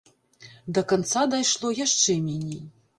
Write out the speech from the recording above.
Да канца дайшло яшчэ меней.